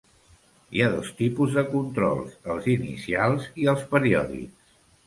Hi ha dos tipus de controls, els inicials i els periòdics.